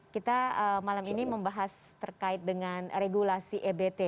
kita malam ini membahas terkait dengan regulasi ebt